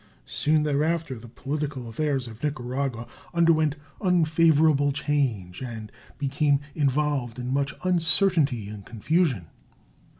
Soon thereafter the political affairs of Nicaragua underwent unfavorable change and became involved in much uncertainty and confusion.